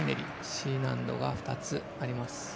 Ｃ難度が２つあります。